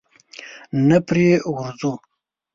نه پرې ورځو؟